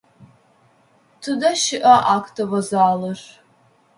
Тыдэ щыӏа актовэ залыр?